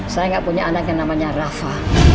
saya nggak punya anak yang namanya rafa